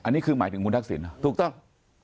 อันนี้คือหมายถึงคุณทักษิณเหรอถูกต้อง